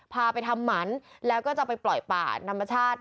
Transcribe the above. พาไปทำหมันแล้วก็จะไปปล่อยป่าธรรมชาติ